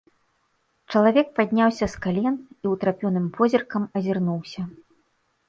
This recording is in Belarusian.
Чалавек падняўся з калень і ўтрапёным позіркам азірнуўся.